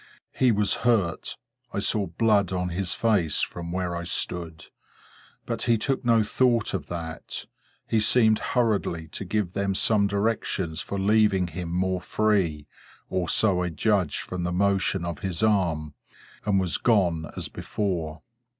He was hurt. I saw blood on his face, from where I stood; but he took no thought of that. He seemed hurriedly to give them some directions for leaving him more free—or so I judged from the motion of his arm—and was gone as before.